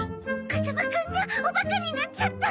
風間くんがおバカになっちゃった！